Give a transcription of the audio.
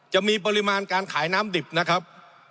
จะมีปริมาณการขายน้ำดิบนะครับ